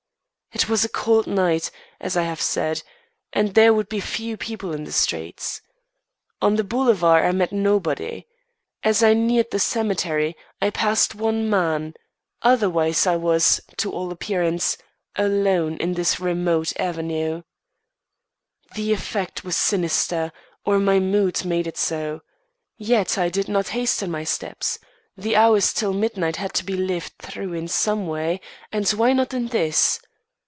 It was a cold night, as I have said, and there were but few people in the streets. On the boulevard I met nobody. As I neared the cemetery, I passed one man; otherwise I was, to all appearance, alone on this remote avenue. The effect was sinister, or my mood made it so; yet I did not hasten my steps; the hours till midnight had to be lived through in some way, and why not in this?